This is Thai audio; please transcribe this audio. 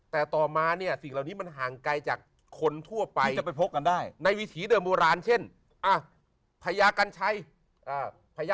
แต่ต่อมาเนี่ยสิ่งเหล่านี้มันห่างไกลจากคนทั่วไปจะไปพบกันได้ในวิถีเดิมโบราณเช่นพญากัญชัย